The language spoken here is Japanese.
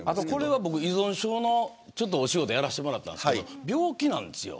僕、依存症のお仕事をやらせてもらったんですけど病気なんですよ。